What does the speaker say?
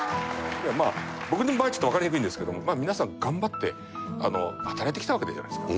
僕の場合ちょっとわかりにくいんですけども皆さん頑張って働いてきたわけじゃないですか。